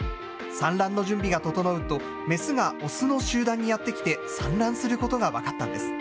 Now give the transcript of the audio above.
産卵の準備が整うと、雌が雄の集団にやって来て、産卵することが分かったんです。